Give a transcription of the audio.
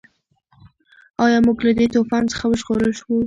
ایا موږ له دې طوفان څخه وژغورل شوو؟